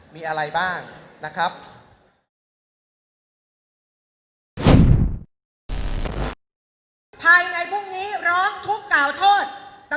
มีอะไรบ้างนะครับ